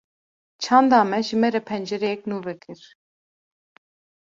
Çanda me, ji me re pencereyek nû vekir